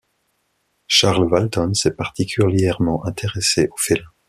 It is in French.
Charles Valton s'est particulièrement intéressé aux félins.